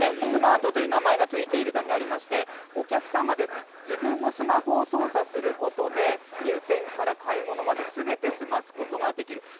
スマートという名前が付いているだけありまして、お客さんが自分のスマホを操作することで、入店から買い物まですべて済ますことができる。